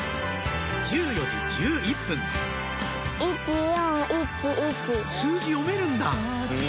１４時１１分数字読めるんだ！